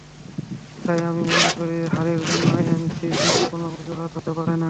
তাই আমি মনে করি হারের জন্য এমসিজি কোনো অজুহাত হতে পারে না।